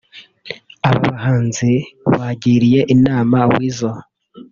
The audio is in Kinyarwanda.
Aba bahanzi bagiriye inama Weasel